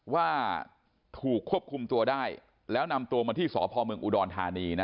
ว่าถูกควบคุมตัวได้แล้วนำตัวมาที่สพเมืองอุดรธานีนะ